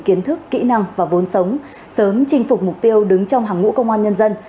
kiến thức kỹ năng và vốn sống sớm chinh phục mục tiêu đứng trong hàng ngũ công an nhân dân